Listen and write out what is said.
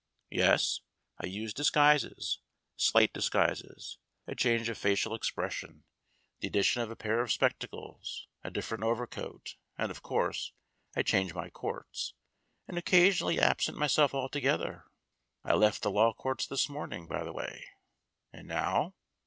Yes, I use disguises slight disguises a change of facial expression, the addition THE BLANKING BUSINESS 197 of a pair of spectacles, a different overcoat, and, of course, I change my courts, and occasionally absent myself altogether. I left the Law Courts this morning, by the way." "And now?"